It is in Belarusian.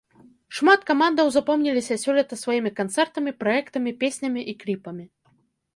Шмат камандаў запомніліся сёлета сваімі канцэртамі, праектамі, песнямі і кліпамі.